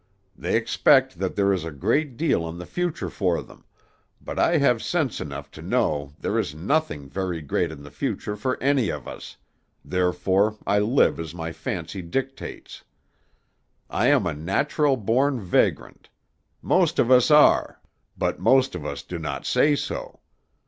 They expect that there is a great deal in the future for them, but I have sense enough to know there is nothing very great in the future for any of us, therefore I live as my fancy dictates. I am a natural born vagrant; most of us are, but most of us do not say so.